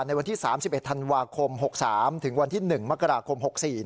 ในวันที่๓๑ธันวาคม๖๓ถึงวันที่๑มกราคม๖๔